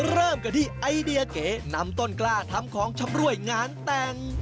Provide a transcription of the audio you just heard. เริ่มกันที่ไอเดียเก๋นำต้นกล้าทำของชำรวยงานแต่ง